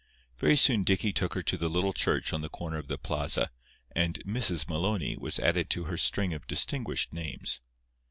Very soon Dicky took her to the little church on the corner of the plaza, and "Mrs. Maloney" was added to her string of distinguished names.